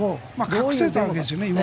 隠せていたわけですよね。